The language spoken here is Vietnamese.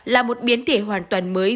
là một biến thể hoàn toàn mới